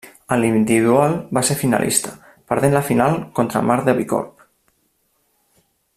A l'Individual, va ser finalista, perdent la final contra Mar de Bicorb.